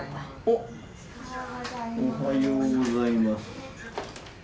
おはようございます。